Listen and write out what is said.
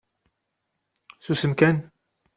Susem kan!